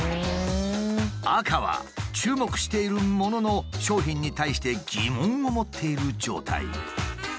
赤は注目しているものの商品に対して疑問を持っている状態。